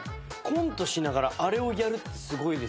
コントしながらあれをやるってすごいですよね。